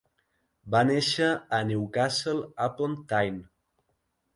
Va néixer a Newcastle-Upon-Tyne.